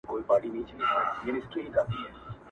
هم راغلي كليوال وه هم ښاريان وه؛